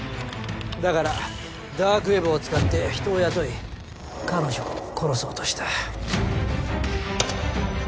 だからダークウェブを使って人を雇い彼女を殺そうとした。